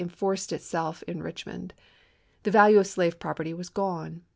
enforced itself in Eichmond. The value of slave property was gone.